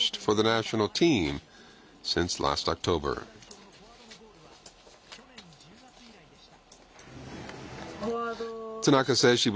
日本代表のフォワードのゴールは、去年１０月以来でした。